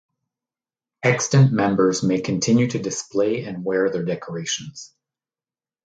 Extant members may continue to display and wear their decorations.